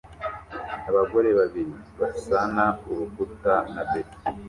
Abagore babiri basana urukuta na beto